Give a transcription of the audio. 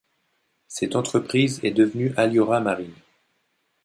Cette entreprise est devenue Alliaura Marine.